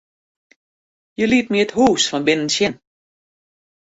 Hja liet my it hûs fan binnen sjen.